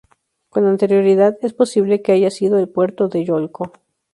Con anterioridad, es posible que haya sido el puerto de Yolco.